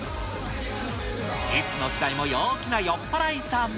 いつの時代も陽気な酔っ払いさん。